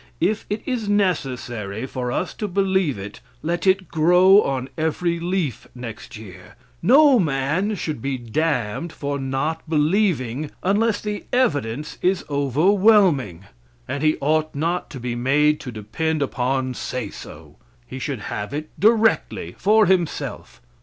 If it is necessary for us to believe it, let it grow on every leaf next year. No man should be damned for not believing unless the evidence is overwhelming. And he ought not to be made to depend upon say so. He should have it directly for himself.